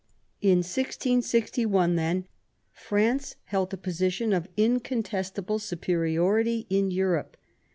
In 1661, then, France held a position of incontestable superiority in Europe.